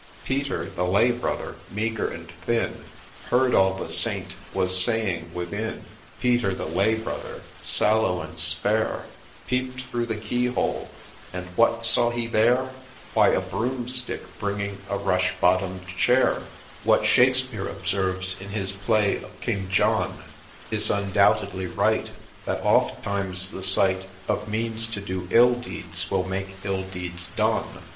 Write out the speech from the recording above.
—— Peter, the Lay brother, meagre and thin, Heard all the Saint was saying within ; Peter, the Lay brother, sallow and spare, Peep'd through the key hole, and — what saw he there T — Why, — A BROOMSTICK BRINGING A RUSH BOTTOM'D CHAIB What Shakespeare observes, in his play of King John, Is undoubtedly right, That ' ofttimes the sight Of means to do ill deeds will make ill deeds done.'